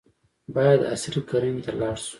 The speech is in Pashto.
باید عصري کرنې ته لاړ شو.